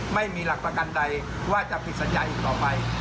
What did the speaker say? ไม่มีหลักประกันใดว่าจะผิดสัญญาอีกต่อไป